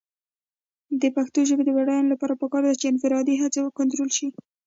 د پښتو ژبې د بډاینې لپاره پکار ده چې انفرادي هڅې کنټرول شي.